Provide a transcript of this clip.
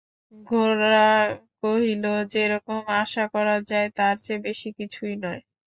গোরা কহিল, যেরকম আশা করা যায় তার চেয়ে বেশি কিছুই নয়।